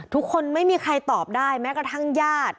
ไม่มีใครตอบได้แม้กระทั่งญาติ